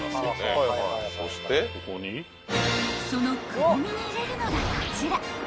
［そのくぼみに入れるのがこちら］